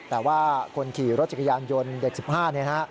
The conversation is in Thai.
แต่ว่าคนขี่รถจักรยานยนต์เด็ก๑๕เนี่ยนะฮะ